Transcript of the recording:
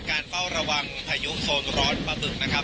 การเฝ้าระวังพายุโซนรถประตึกนะครับ